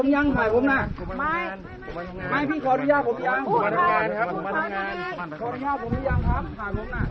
ไม่เป็นไร